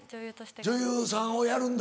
女優さんをやるんだ。